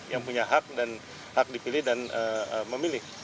yang punya hak dan hak dipilih dan memilih